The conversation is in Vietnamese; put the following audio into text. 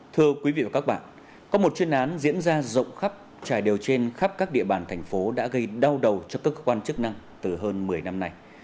thưa quý vị và các bạn có một chuyên án diễn ra rộng khắp trải đều trên khắp các địa bàn thành phố đã gây đau đầu cho các cơ quan chức năng từ hơn một mươi năm nay